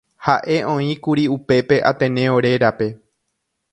Ha'e oĩkuri upépe Ateneo rérape